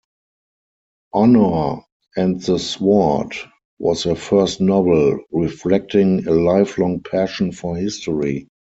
Honour and the Sword was her first novel, reflecting a lifelong passion for history.